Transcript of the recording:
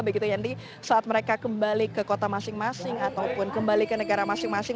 begitu yanti saat mereka kembali ke kota masing masing ataupun kembali ke negara masing masing